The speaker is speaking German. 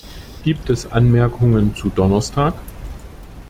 Gibt es Anmerkungen zu Donnerstag?